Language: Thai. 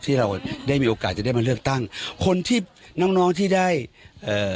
ที่เราได้มีโอกาสจะได้มาเลือกตั้งคนที่น้องน้องที่ได้เอ่อ